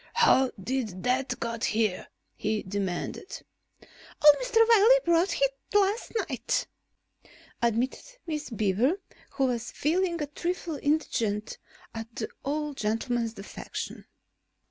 "How did that get here?" he demanded. "Old Mr. Wiley brought it last night," admitted Miss Beaver, who was feeling a trifle indignant at the old gentleman's defection.